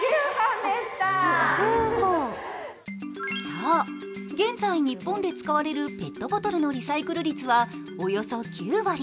そう、現在日本で使われるペットボトルのリサイクル率はおよそ９割。